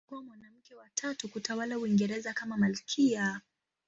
Alikuwa mwanamke wa tatu kutawala Uingereza kama malkia.